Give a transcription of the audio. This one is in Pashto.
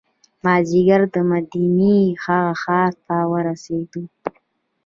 مازدیګر مدینې هغه ښار ته ورسېدو.